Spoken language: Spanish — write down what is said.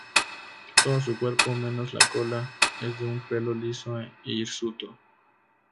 Todo su cuerpo, menos la cola, es de un pelo liso e hirsuto.